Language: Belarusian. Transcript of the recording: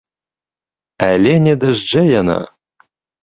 Але не дажджэ яна!